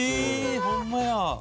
えほんまや。